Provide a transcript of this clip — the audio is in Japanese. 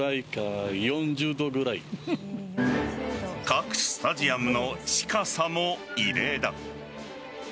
各スタジアムの近さも異例だ。